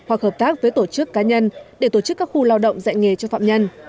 hoặc hợp tác với tổ chức cá nhân để tổ chức các khu lao động dạy nghề cho phạm nhân